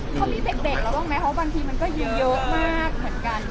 เขามีแบกบ้างไหมเพราะบางทีมันก็อยู่เยอะมาก